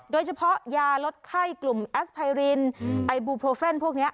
โดยเฉพาะยาลดไข้กลุ่มแอสไพรินไอบูโพเฟนพวกนี้